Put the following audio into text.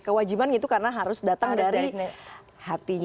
kewajiban itu karena harus datang dari hatinya